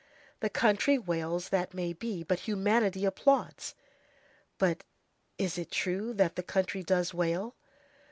The country wails, that may be, but humanity applauds. But is it true that the country does wail?